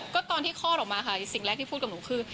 ก็ตอนที่คลอดออกมาค่ะสิ่งแรกที่พูดกับหนูคือ